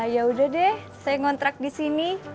yaudah deh saya ngontrak disini